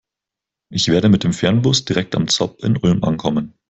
Ich werde mit dem Fernbus direkt am ZOB in Ulm ankommen.